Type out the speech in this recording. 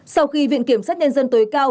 sau khi viện kiểm soát nhân dân tối cao